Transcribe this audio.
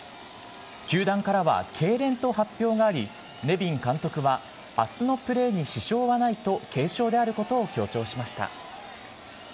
球団からはけいれんと発表がありネビン監督は明日のプレーに支障はないと軽症であることを強調しました。